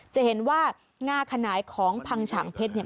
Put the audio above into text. จะเห็นว่างาขนายของพังฉ่างเพชร